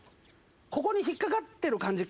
ここに引っ掛かってる感じ。